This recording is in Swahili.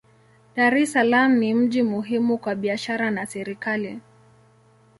Dar es Salaam ni mji muhimu kwa biashara na serikali.